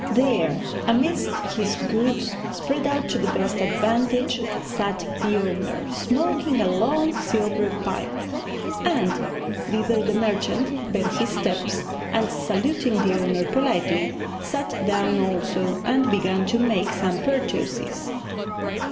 There, amidst his goods, spread out to the best advantage, sat the owner smoking a long silver pipe, and thither the merchant bent his steps, and saluting the owner politely, sat down also and began to make some purchases.